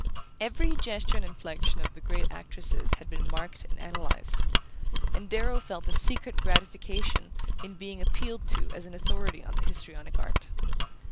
Every gesture and inflection of the great actress's had been marked and analyzed; and Darrow felt a secret gratification in being appealed to as an authority on the histrionic art.